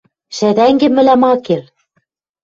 Шӓдӓнгӹ мӹлӓм ак кел.